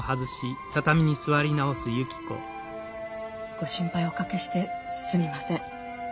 ご心配おかけしてすみません。